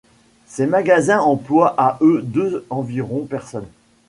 Ces magasins emploient à eux deux environ personnes.